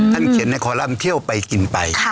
ท่านเขียนในคอลังเที่ยวไปกินไป